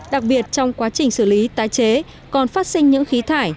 đặc biệt trong quá trình xử lý tái chế còn phát sinh những khí thải